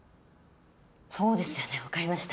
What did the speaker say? そうですよね分かりました。